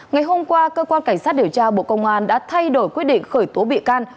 ngày hôm qua cơ quan cảnh sát điều tra bộ công an đã thay đổi quyết định khởi tố bị can